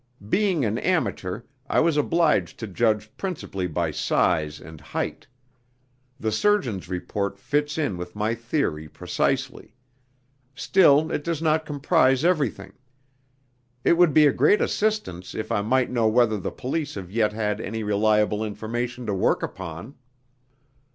Being an amateur, I was obliged to judge principally by size and height. The surgeon's report fits in with my theory precisely. Still, it does not comprise everything. It would be a great assistance if I might know whether the police have yet had any reliable information to work upon."